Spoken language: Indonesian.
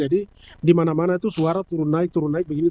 jadi dimana mana itu suara turun naik turun naik begini